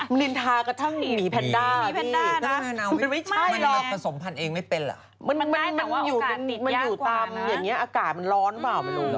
มันลินทากระทั่งมีพันดา